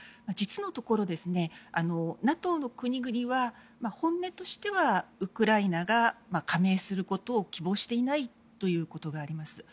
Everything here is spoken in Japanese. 実のところ、ＮＡＴＯの国々は本音としてはウクライナが加盟することを希望していないということがあります。